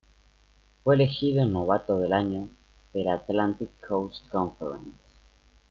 Fue elegido novato del año de la Atlantic Coast Conference.